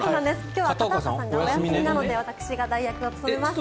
今日は片岡さんがお休みなので私が代役を務めます。